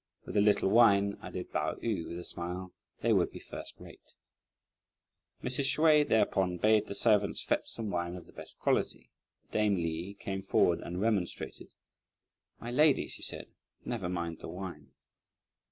"With a little wine," added Pao yü with a smile, "they would be first rate." Mrs. Hsüeh thereupon bade the servants fetch some wine of the best quality; but dame Li came forward and remonstrated. "My lady," she said, "never mind the wine."